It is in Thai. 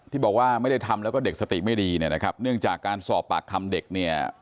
ที่บอกว่าไม่ได้ทำแล้วก็เด็กสติไม่ดีเนี่ยนะครับเนื่องจากการสอบปากคำเด็กเนี่ย